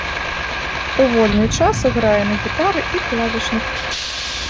У вольны час грае на гітары і клавішных.